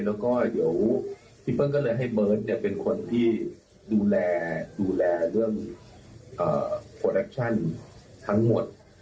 แล้วก็หยุดพี่เพิร์รก็เลยให้เบิร์ตเป็นคนที่ดูแลดูแลเรื่องรสส่งทั้งหมด